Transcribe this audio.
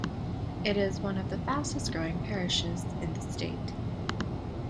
It is one of the fastest growing parishes in the state.